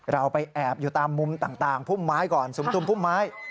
เราไปแอบอยู่ตามมุมต่างพุ่มไม้ก่อนสุมทุมพุ่มไม้